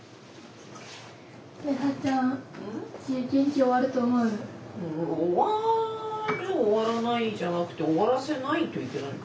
終わる終わらないじゃなくて終わらせないといけない。